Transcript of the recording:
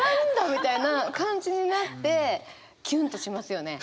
みたいな感じになってキュンとしますよね。